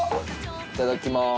いただきます。